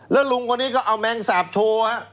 แล้วลุงคนนี้ก็เอาแมงสาบโชว์